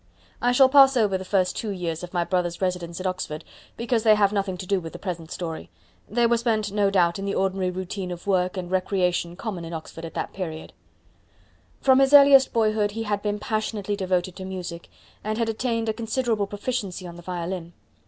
I shall pass over the first two years of my brother's residence at Oxford, because they have nothing to do with the present story. They were spent, no doubt, in the ordinary routine of work and recreation common in Oxford at that period. From his earliest boyhood he had been passionately devoted to music, and had attained a considerable proficiency on the violin.